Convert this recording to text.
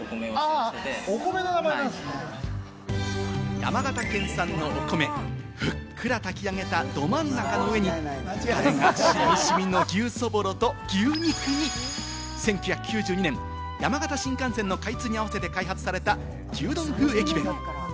山形県産のお米、ふっくら炊き上げた「どまんなか」の上に、タレがしみしみの牛そぼろと牛肉に１９９２年、山形新幹線の開通に合わせて開発された牛丼風駅弁。